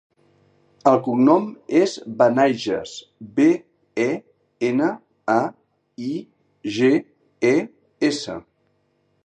El cognom és Benaiges: be, e, ena, a, i, ge, e, essa.